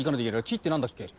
「き」って何だっけ。